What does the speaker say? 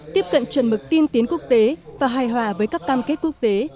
tiếp cận chuẩn mực tiên tiến quốc tế và hài hòa với các cam kết quốc tế